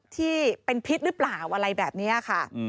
ที่เป็นพิษหรือเปล่าอะไรแบบนี้ค่ะ